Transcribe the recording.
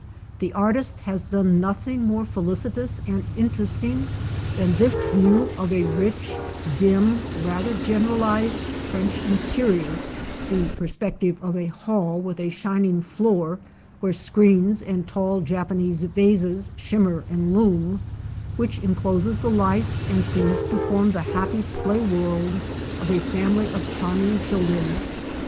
The artist has done nothing more felicitous and inter esting than this view of a rich, dim, rather generalized French interior (the perspec tive of a hall with a shining floor, where screens and tall Japanese vases shimmer and loom), which encloses the life and seems to form the happy play world of a family of charming children.